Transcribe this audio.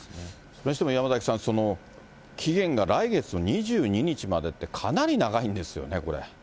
それにしても山崎さん、期限が来月２２日までって、かなり長いんですよね、これ。